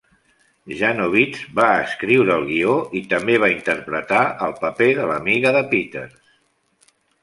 Janowitz va escriure el guió i també va interpretar el paper de l'amiga de Peters.